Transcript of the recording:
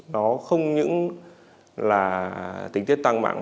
nó không những là tình tiết tăng mạng